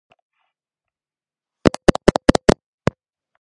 სავარაუდოდ მაშინ ჩამოყალიბდა მდინარის დელტა.